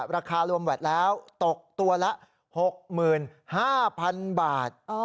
ราคารวมแวดแล้วตกตัวละหกหมื่นห้าพันบาท